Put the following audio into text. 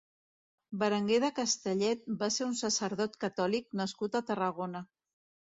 Berenguer de Castellet va ser un sacerdot catòlic nascut a Tarragona.